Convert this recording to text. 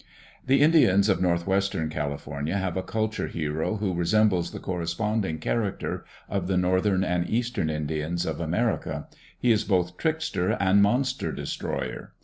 The Indians of northwestern California have a culture hero who resembles the corresponding character of the northern and eastern Indians of America. He is both trickster and monster destroyer.